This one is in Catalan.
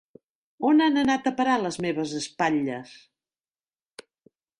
On han anat a parar les meves espatlles?